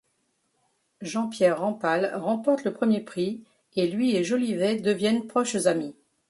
Jean-Pierre Rampal remporte le premier prix et lui et Jolivet deviennent proches amis.